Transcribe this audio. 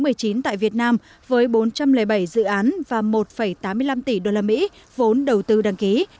australia đã trở thành một trong những nhà đầu tư lớn thứ một mươi chín tại việt nam với bốn trăm linh bảy dự án và một tám mươi năm tỷ đô la mỹ vốn đầu tư đăng ký